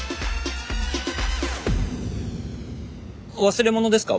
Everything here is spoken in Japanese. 忘れ物ですか